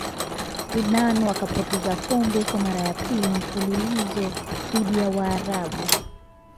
sudan wakapoteza kombe kwa mara ya pili mfululizo dhidi ya waarabu